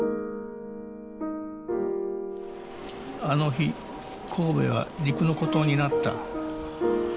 あの日神戸は陸の孤島になった。